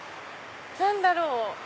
何だろう？